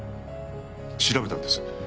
調べたんです。